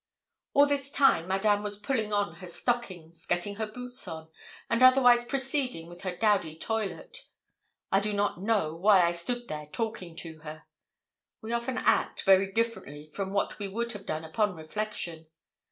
All this time Madame was pulling on her stockings, getting her boots on, and otherwise proceeding with her dowdy toilet. I do not know why I stood there talking to her. We often act very differently from what we would have done upon reflection.